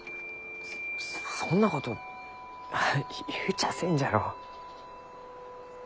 そそんなこと言うちゃあせんじゃろ。